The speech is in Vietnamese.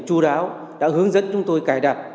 chú đáo đã hướng dẫn chúng tôi cài đặt